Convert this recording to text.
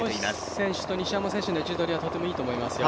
星選手と西山選手の位置取りはとてもいいと思いますよ。